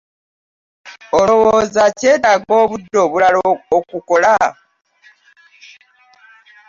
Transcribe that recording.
Olowooza akyetaaga obudde obulala okukola?